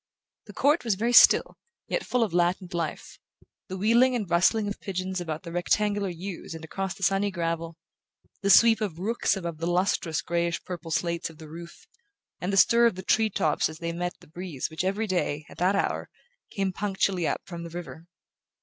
The court was very still, yet full of a latent life: the wheeling and rustling of pigeons about the rectangular yews and across the sunny gravel; the sweep of rooks above the lustrous greyish purple slates of the roof, and the stir of the tree tops as they met the breeze which every day, at that hour, came punctually up from the river.